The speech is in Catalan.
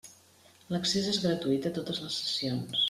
L'accés és gratuït a totes les sessions.